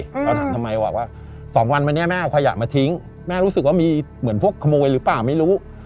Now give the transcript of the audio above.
เราถามทำไมว่ะว่า๒วันวันนี้แม่เอาขยะมาทิ้งแม่รู้สึกว่ามีเหมือนพวกขโมยหรือเปล่าไม่รู้